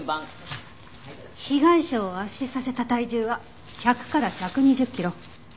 被害者を圧死させた体重は１００から１２０キロ。